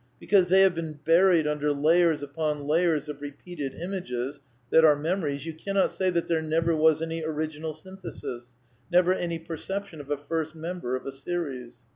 Because they have been buried under layers upon layers of repeated images that are memories you cannot say that there never was any original synthesis, never any perception of a first member of a series.